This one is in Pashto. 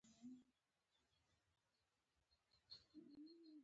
موټر ژوند اسان کړی دی.